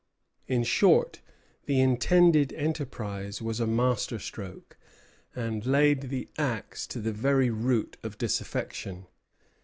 In short, the intended enterprise was a master stroke, and laid the axe to the very root of disaffection.